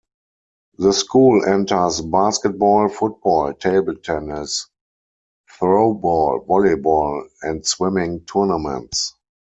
The school enters basketball, football, table tennis, throw ball, volleyball and swimming tournaments.